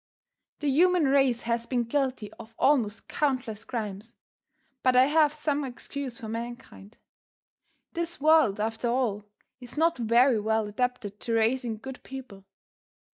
The human race has been guilty of almost countless crimes; but I have some excuse for mankind. This world, after all, is not very well adapted to raising good people.